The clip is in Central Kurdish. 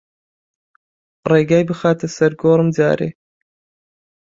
ڕێگای بخاتە سەر گۆڕم جارێ